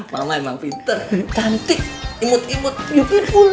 hahaha mama emang pinter cantik imut imut beautiful